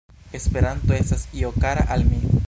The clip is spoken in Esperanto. “Esperanto estas io kara al mi.